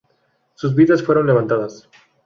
Sus vías fueron levantadas.